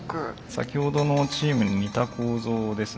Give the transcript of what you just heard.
先ほどのチームに似た構造ですね。